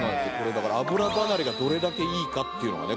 だから油ばなれがどれだけいいかっていうのがね